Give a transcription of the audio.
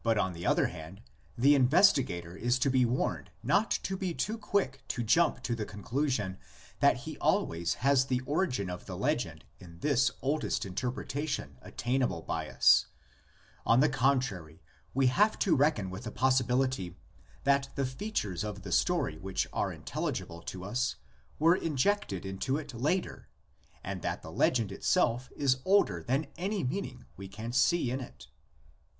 But, on the other hand, the investigator is to be warned not to be too quick to jump at the con 36 THE LEGENDS OF GENESIS. elusion that he always has the origin of the legend in this oldest interpretation attainable by us. On the contrary, we have to reckon with the possibility that the features of the story which are intelligible to us were injected into it later, and that the legend itself is older than any meaning we can see in it.